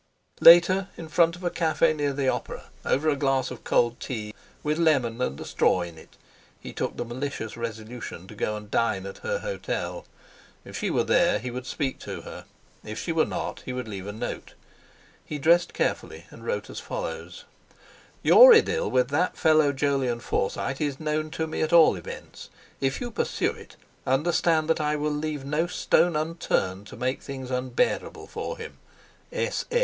Later, in front of a café near the Opera, over a glass of cold tea with lemon and a straw in it, he took the malicious resolution to go and dine at her hotel. If she were there, he would speak to her; if she were not, he would leave a note. He dressed carefully, and wrote as follows: "Your idyll with that fellow Jolyon Forsyte is known to me at all events. If you pursue it, understand that I will leave no stone unturned to make things unbearable for him.